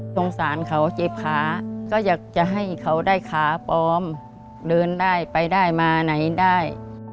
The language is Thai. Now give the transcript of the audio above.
สงสารเขาเจ็บขาก็อยากจะให้เขาได้ขาปลอมเดินได้ไปได้มาไหนได้